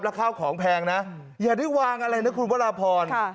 แล้วข้าวของแพงนะอย่าได้วางอะไรนะคุณพระราพร